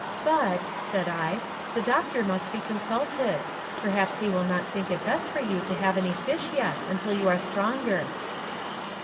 "But," said I, "the doctor must be consulted; perhaps he will not think it best for you to have any fish yet, until you are stronger."